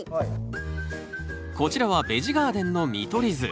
こちらはベジ・ガーデンの見取り図。